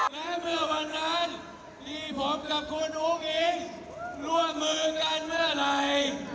และเมื่อวันนั้นมีผมกับคุณอุ้งอิงร่วมมือกันเมื่อไหร่